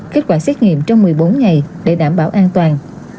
kết quả xét nghiệm trong một mươi bốn ngày để đảm bảo an toàn